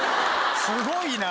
すごいな。